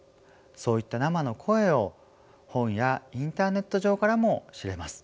そういった生の声を本やインターネット上からも知れます。